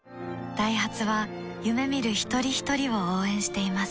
ダイハツは夢見る一人ひとりを応援しています